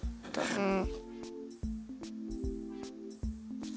うん。